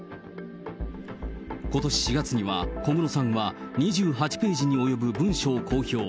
ことし４月には、小室さんは２８ページに及ぶ文書を公表。